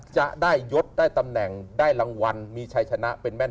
จะได้ยดได้ตำแหน่งได้รางวัลมีชัยชนะเป็นแม่น